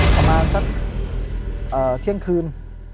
ประมาณสักเที่ยงคืน